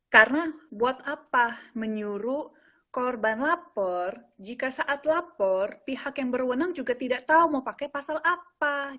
karena buat apa menyuruh korban lapor jika saat lapor pihak yang berwenang juga tidak tahu mau pakai pasal apa